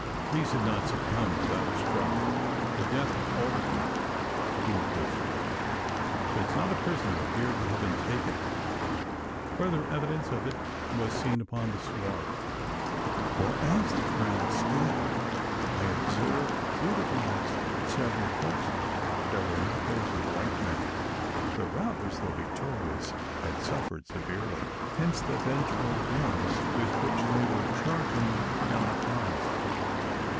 These had not succumbed without a struggle. The death of all of them proved this: since not a prisoner appeared to have been taken. Further evidence of it was seen upon the sward; for as the crowd scattered, I observed through, the glass several corpses that were not those of white men. The robbers, though victorious, had suffered severely: hence the vengeful yells with which they were charging down upon us.